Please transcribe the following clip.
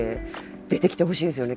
出てきてほしいですよね